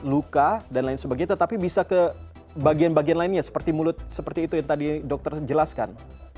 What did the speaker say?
luka dan lain sebagainya tetapi bisa ke bagian bagian lainnya seperti mulut seperti itu yang tadi dokter jelaskan